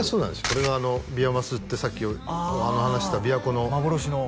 これがビワマスってさっき話した琵琶湖の幻の？